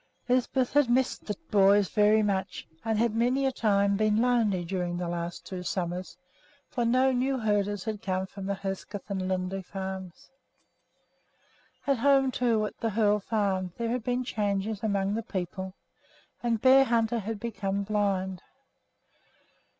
Lisbeth had missed the boys very much, and had many a time been lonely during the last two summers, for no new herders had come from the Hoegseth or Lunde farms. At home, too, at the Hoel Farm, there had been changes among the people, and Bearhunter had become blind.